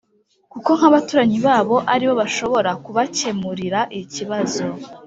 kuko nk’abaturanyi babo ari bo bashobora kubakemurira ikibazo